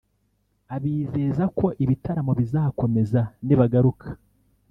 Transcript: abizeza ko ibitaramo bizakomeza nibagaruka